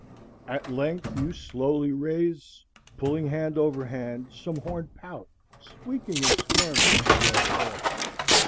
At length you slowly raise, pulling hand over hand, some horned pout squeaking and squirming to the upper air.